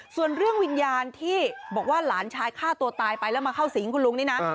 ส่วนเรื่องวิญญาณที่บอกว่าหลานชายฆ่าตัวตายไปแล้วมาเข้าสิงคุณลุงนี่นะ